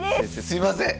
すいません！